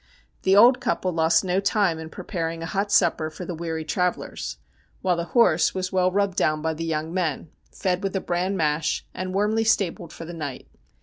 The old couple lost no time in preparing a hot supper for the weary travellers, while the horse was well THE SHINING HAND 177 rubbed down by the young men, fed with a bran mash, and warmly stabled for the night.